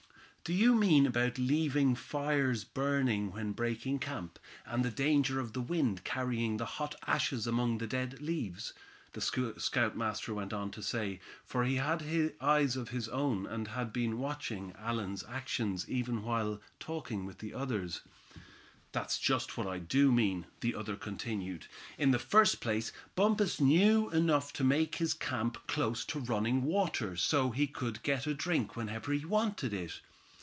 "Do you mean about leaving fires burning when breaking camp, and the danger of the wind carrying the hot ashes among the dead leaves?" the scoutmaster went on to say, for he had eyes of his own, and had been watching Allan's actions even while talking with the others. "That's just what I do mean," the other continued. "In the first place Bumpus knew enough to make his camp close to running water, so he could get a drink whenever he wanted it."